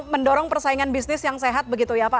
mendorong persaingan bisnis yang sehat begitu ya pak